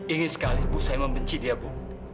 ingin sekali ibu saya membenci dia ibu